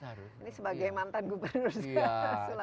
ini sebagai mantan gubernur